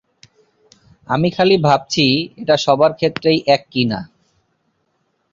আমি খালি ভাবছি এটা সবার ক্ষেত্রেই এক কি না।